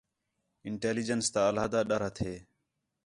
انٹیلی جینس تا علیحدہ ڈَر ہَتھے